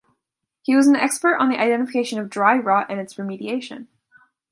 He was an expert on the identification of dry rot and its remediation.